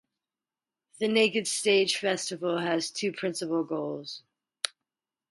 The Naked Stage festival has two principal goals.